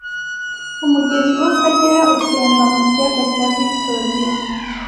Umugezi wa Kagerautemba mu kiyaga cya Victoria